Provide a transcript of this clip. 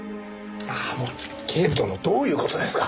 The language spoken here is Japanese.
ああもう警部殿どういう事ですか？